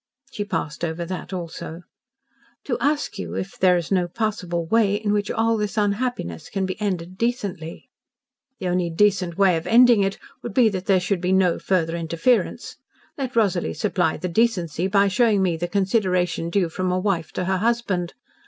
She passed over that also. "To ask you if there is no possible way in which all this unhappiness can be ended decently." "The only decent way of ending it would be that there should be no further interference. Let Rosalie supply the decency by showing me the consideration due from a wife to her husband.